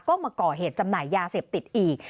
ก็มาก่อเหตุจำหน่ายยาเสพติดอีก